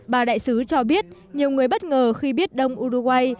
bà đại sứ cho biết nhiều người bất ngờ khi biết đông uruguay